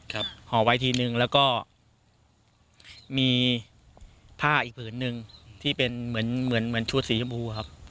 ห่อไว้ทีนึงแล้วก็มีผ้าอีกผืนหนึ่งที่เป็นเหมือนเหมือนชุดสีชมพูครับ